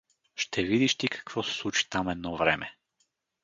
Ще видиш ти какво се случи там едно време.